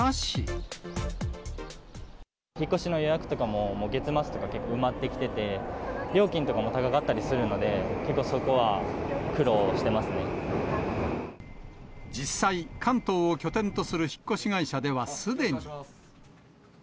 引っ越しの予約とかも、月末とか埋まってきてて、料金とかも高かったりするので、結構そ実際、関東を拠点とする引っ越し会社では、すでに。